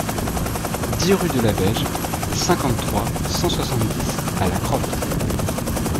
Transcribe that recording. dix rue de la Vaige, cinquante-trois, cent soixante-dix à La Cropte